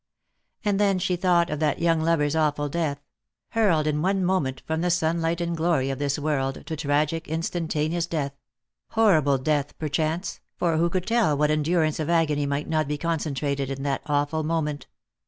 And then she thought of that young lover's awful death ; hurled in one moment from the sunlight and glory of this world to tragic instantaneous death; horrible death, perchance; for who could tell what endurance of agony might not be con centrated in that awful moment?